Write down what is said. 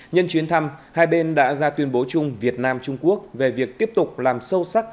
nhân chuyến thăm hai bên đã ra tuyên bố chung việt nam trung quốc về việc tiếp tục làm sâu sắc